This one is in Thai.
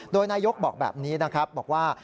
โดยนายกบอกแบบนี้นะครับบอกว่า